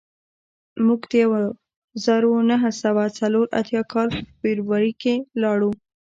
موږ د یو زرو نهه سوه څلور اتیا کال په فبروري کې لاړو